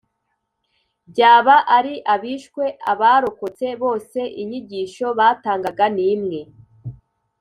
Byaba ari abishwe, abarokotse bose inyigisho batangaga ni imwe